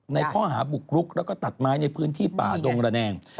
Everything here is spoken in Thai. ในข้อหาบุกรุกแล้วก็ตัดไม้ในพื้นที่ป่าดงระแนง